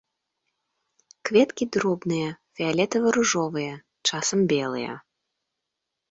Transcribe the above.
Кветкі дробныя, фіялетава-ружовыя, часам белыя.